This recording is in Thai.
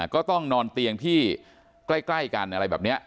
ก็ต้องนอนเตียงที่ใกล้กันอะไรแบบนี้